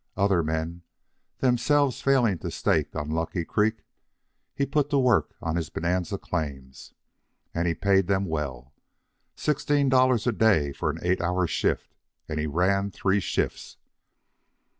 Other men, themselves failing to stake on lucky creeks, he put to work on his Bonanza claims. And he paid them well sixteen dollars a day for an eight hour shift, and he ran three shifts.